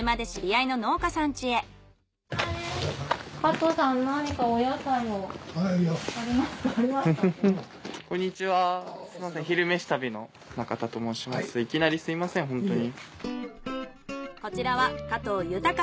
いきなりすみませんホントに。